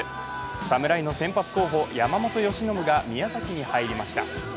侍の先発候補・山本由伸が宮崎に入りました。